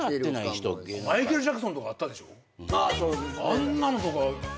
あんなのとかねえ